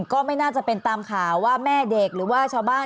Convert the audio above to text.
ก็ไม่น่าจะเป็นตามข่าวว่าแม่เด็กหรือว่าชาวบ้าน